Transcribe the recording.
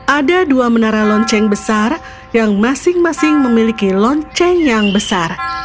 ada dua menara lonceng besar yang masing masing memiliki lonceng yang besar